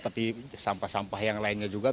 tapi sampah sampah yang lainnya juga